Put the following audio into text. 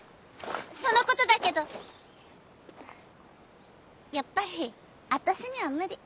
その事だけどやっぱり私には無理。